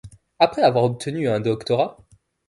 Après avoir obtenu un Ph.D.